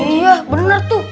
iya bener tuh